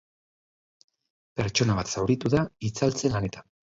Pertsona bat zauritu da itzaltze-lanetan.